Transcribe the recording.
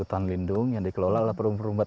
hutan lindung yang dikelola oleh perum perumah